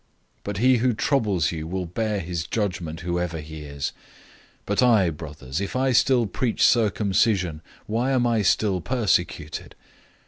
But he who troubles you will bear his judgment, whoever he is. 005:011 But I, brothers, if I still preach circumcision, why am I still persecuted?